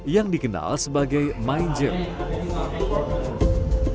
yang dikenal sebagai mine